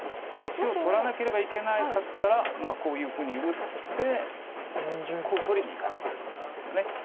白取らなければいけなかったらこういうふうに打って取りにいかなければいけないんですよね。